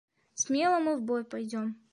Смело мы в бой пойдем